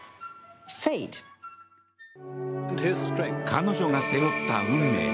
彼女が背負った運命。